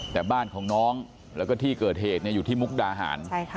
แต่บ้านของน้องแล้วก็ที่เกิดเหตุอยู่ที่มุกดาหาร